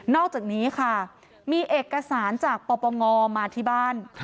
อกจากนี้ค่ะมีเอกสารจากปปงมาที่บ้าน